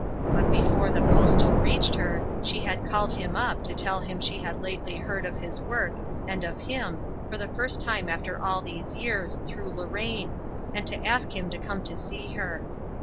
But before the postal reached her she had called him up to tell him she had lately heard of his work and of him for the first time after all these years, through Lorraine, and to ask him to come to see her.